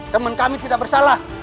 teman kami tidak bersalah